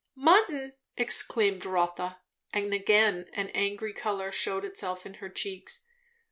"Mutton!" exclaimed Rotha, and again an angry colour shewed itself in her cheeks.